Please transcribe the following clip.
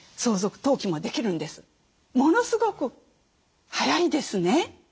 ものすごく速いですね。